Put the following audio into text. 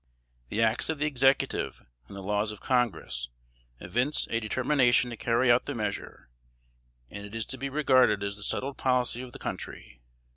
The acts of the Executive, and the laws of Congress, evince a determination to carry out the measure, and it is to be regarded as the settled policy of the country.